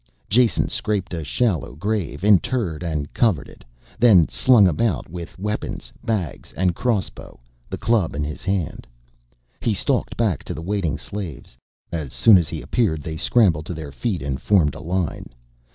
Jason scraped a shallow grave, interred and covered it. Then, slung about with weapons, bags and crossbow, the club in his hand, he stalked back to the waiting slaves. As soon as he appeared they scrambled to their feet and formed a line.